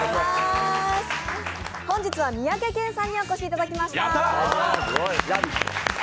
本日は三宅健さんにお越しいただきました！